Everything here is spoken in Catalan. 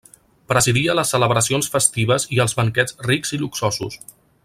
Presidia les celebracions festives i els banquets rics i luxosos.